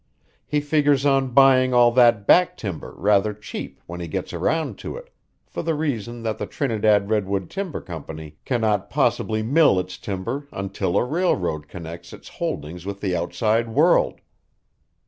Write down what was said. He figures on buying all that back timber rather cheap when he gets around to it, for the reason that the Trinidad Redwood Timber Company cannot possibly mill its timber until a railroad connects its holdings with the outside world.